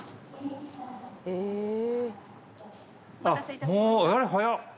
お待たせいたしました。